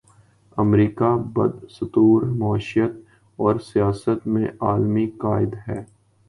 امریکہ بدستور معیشت اور سیاست میں عالمی قائد ہے۔